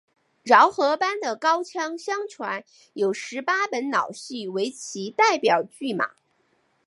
饶河班的高腔相传有十八本老戏为其代表剧码。